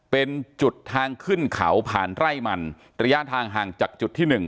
เป็นจุดทางขึ้นเขาผ่านไร่มันระยะทางห่างจากจุดที่หนึ่ง